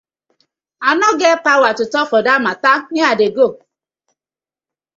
I no get powaar to tok for dat matta, me I dey go.